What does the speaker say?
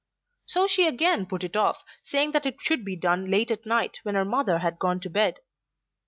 So she again put it off, saying that it should be done late at night when her mother had gone to her bed.